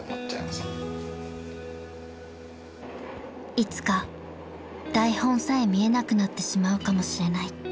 ［いつか台本さえ見えなくなってしまうかもしれない］